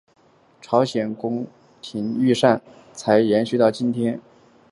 朝鲜宫廷膳食才能延续到今天。